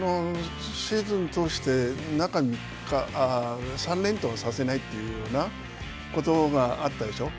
シーズンを通して中３日、３連投させないというようなことがあったでしょう。